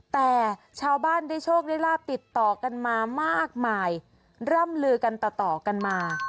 แต่ชาวบ้านได้โชคได้ลาบติดต่อกันมามากมายร่ำลือกันต่อต่อกันมา